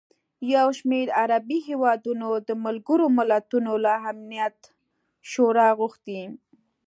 یوشمېر عربي هېوادونو د ملګروملتونو له امنیت شورا غوښتي